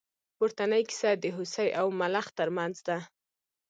پورتنۍ کیسه د هوسۍ او ملخ تر منځ ده.